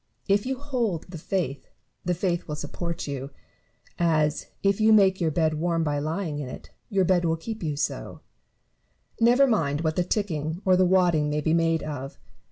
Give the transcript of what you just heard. If you hold the faith, the faith will support you ; as, if you make your bed warm by lying in it, your bed will keep you so : never mind what the ticking or the wadding may be made of.